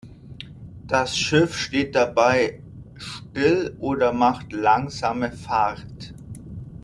Das Schiff steht dabei still oder macht langsame Fahrt.